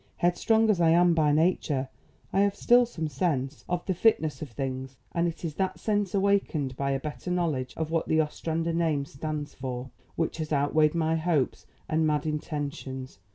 Headstrong as I am by nature, I have still some sense of the fitness of things, and it is that sense awakened by a better knowledge of what the Ostrander name stands for, which has outweighed my hopes and mad intentions.